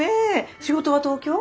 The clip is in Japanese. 仕事は東京？